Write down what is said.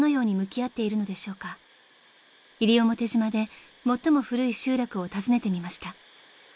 ［西表島で最も古い集落を訪ねてみました］